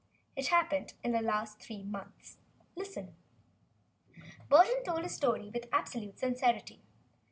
It happened within the last three months. Listen." Burton told his story with absolute sincerity.